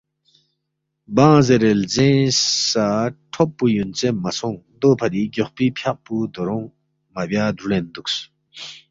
بانگ زیرے لزینگ سہ ٹھوپ پو یونژے مہ سونگ دو فری گیوخپی فیق پو دورونگ مہ بیا دُرلین دوکس۔